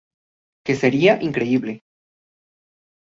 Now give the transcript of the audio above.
Que sería increíble.